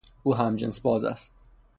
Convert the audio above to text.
او همجنسباز است.